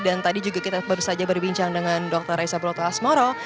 dan tadi juga kita baru saja berbincang dengan dokter raisa broto asmoro